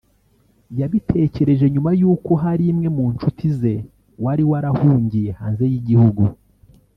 yabitekereje nyuma y’uko hari imwe mu ncuti ze wari warahungiye hanze y’igihugu